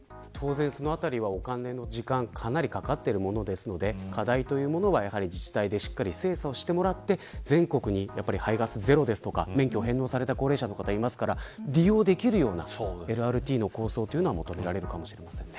そのあたりはお金も時間もかなりかかっていると思いますので課題は自治体で精査してもらって全国に排ガスゼロですとか免許を返納された高齢者の方がいますから利用できるようなＬＲＴ構想が求められるかもしれません。